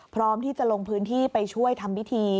พร้อมที่จะลงพื้นที่ไปช่วยทำพิธี